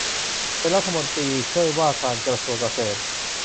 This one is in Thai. เป็นรัฐมนตรีช่วยว่าการกระทรวงเกษตร